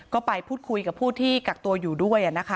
ก็ไปพูดคุยกับผู้ที่กักตัวอยู่ด้วยนะคะ